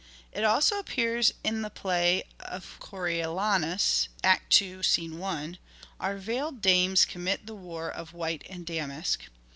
It also appears in the play of " Coriolanus " (II. i) :'' Our veiled dames commit the war of white and damask."